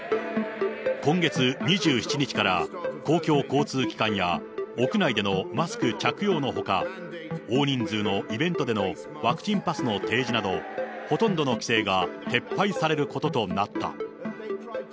今月２７日から、公共交通機関や、屋内でのマスク着用のほか、大人数のイベントでのワクチンパスの提示など、ほとんどの規制が撤廃されることとなった。